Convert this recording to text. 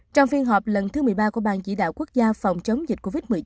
trong phiên họp lần thứ một mươi ba của ban chỉ đạo quốc gia phòng chống dịch covid một mươi chín